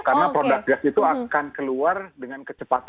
karena produk gas itu akan keluar dengan kecepatan gitu ya